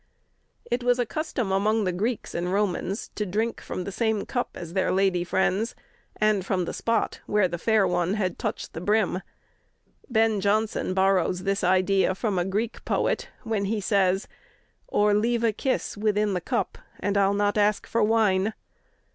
It was a custom among the Greeks and Romans to drink from the same cup as their lady friends, and from the spot where the fair one had touched the brim. Ben Jonson borrows this idea from a Greek poet when he says: Or leave a kiss within the cup, And I'll not ask for wine.